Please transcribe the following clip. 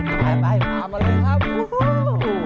ไปมาเลยครับวูฮู